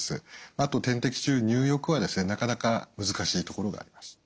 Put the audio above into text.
あと点滴中入浴はなかなか難しいところがあります。